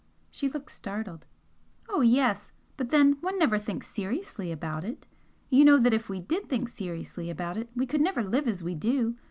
She looked startled. "Oh yes! but then one never thinks seriously about it! You know that if we DID think seriously about it we could never live as we do.